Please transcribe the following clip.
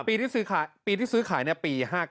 ปีที่ซื้อขายปี๕๙